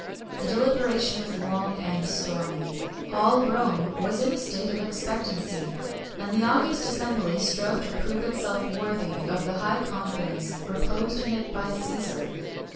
The deliberation was long and stormy; all Rome was in a state of expectancy; and the august assembly strove to prove itself worthy of the high confidence reposed in it by Cæsar.